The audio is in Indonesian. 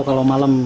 oh kalau malam